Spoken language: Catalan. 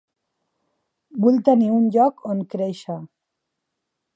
Vull tenir un lloc on créixer.